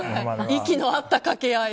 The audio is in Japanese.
息の合った掛け合い。